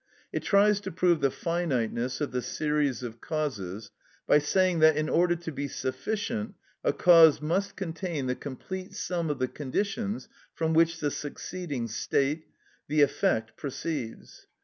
It tries to prove the finiteness of the series of causes by saying that, in order to be sufficient, a cause must contain the complete sum of the conditions from which the succeeding state, the effect, proceeds.